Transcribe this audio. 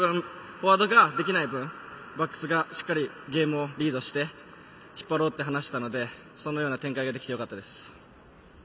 フォワードができない分バックスがしっかりゲームをリードして引っ張ろうと話していたのでそのような展開ができてよかったです。